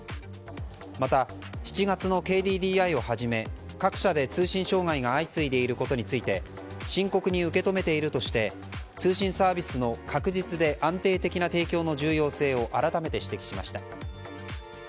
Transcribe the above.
また、７月のＫＤＤＩをはじめ各社で通信障害が相次いでいることについて深刻に受け止めているとして通信サービスの確実で安定的な提供の重要性を改めて指摘しました。